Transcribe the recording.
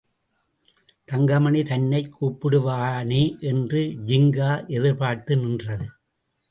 தங்கமணி தன்னைக் கூப்பிடுவானே என்று ஜின்கா எதிர்பார்த்து நின்றது.